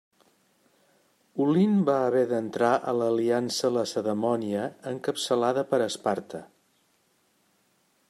Olint va haver d'entrar a l'aliança lacedemònia encapçalada per Esparta.